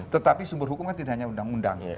tetapi sumber hukumnya tidak hanya undang undang